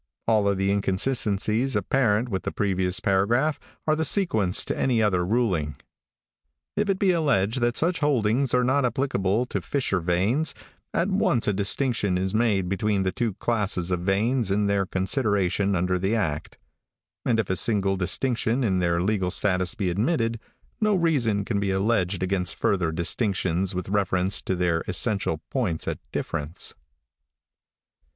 _ all the inconsistencies apparent from the previous paragraph are the sequence to any other ruling. "If it be alleged that such holdings are not applicable to fissure veins, at once a distinction is made between the two classes of veins in their consideration under the act; and if a single distinction in their legal status be admitted, no reason can be alleged against further distinctions with reference to their essential points at difference."